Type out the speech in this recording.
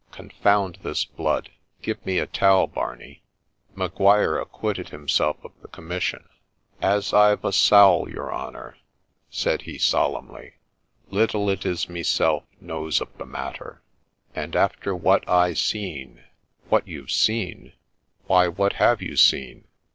Confound this blood !— give me a towel, Barney.' Maguire acquitted himself of the commission. ' As I've a sowl, your honour,' said he, solemnly, ' little it is meself knows of the matter : and after what I seen '' What you've seen ! Why, what have you seen